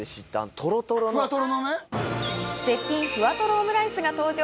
絶品ふわとろオムライスが登場。